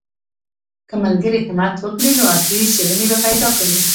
که ملګري همت وکړي نو اصلي څېړنې به پیدا کړي.